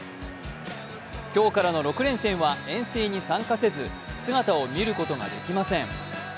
今日からの６連戦は遠征に参加せず姿を見ることができません。